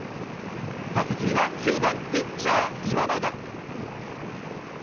打席には９番ピッチャー、今永。